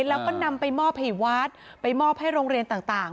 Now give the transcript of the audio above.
แล้วก็นำไปมอบให้วัดไปมอบให้โรงเรียนต่าง